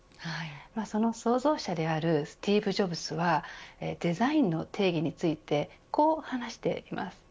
その創造者であるスティーブ・ジョブズはデザインの定義についてこう話しています。